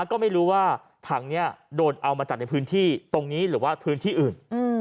ก็ไม่รู้ว่าถังนี้โดนเอามาจากในพื้นที่ตรงนี้หรือว่าพื้นที่อื่น